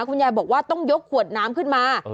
คุณยายบอกว่าต้องยกขวดน้ำขึ้นมา